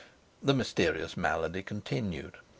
The mysterious malady continued.